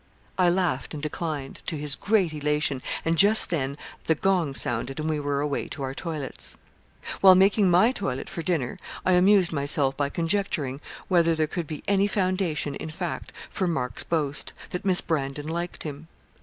I laughed and declined, to his great elation, and just then the gong sounded and we were away to our toilets. While making my toilet for dinner, I amused myself by conjecturing whether there could be any foundation in fact for Mark's boast, that Miss Brandon liked him.